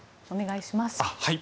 お願いします。